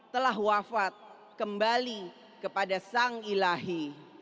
telah wafat kembali kepada sang ilahi